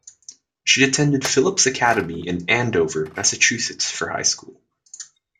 She attended Phillips Academy in Andover, Massachusetts for high school.